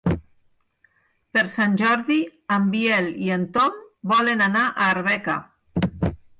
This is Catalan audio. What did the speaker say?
Per Sant Jordi en Biel i en Tom volen anar a Arbeca.